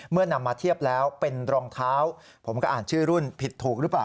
นำมาเทียบแล้วเป็นรองเท้าผมก็อ่านชื่อรุ่นผิดถูกหรือเปล่า